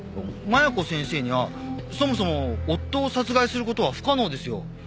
麻弥子先生にはそもそも夫を殺害する事は不可能ですよ。